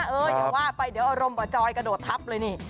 เอออย่าว่าไปเดี๋ยวอารมณ์กว่าจอยกระโดดทับเลยนี่